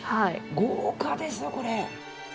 豪華ですよこれ。